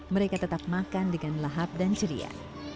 mereka tetap makan dengan lahap dan ceria